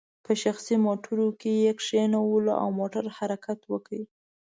په شخصي موټرو کې یې کینولو او موټرو حرکت وکړ.